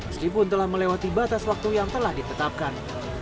meskipun telah melewati batas waktu yang telah ditetapkan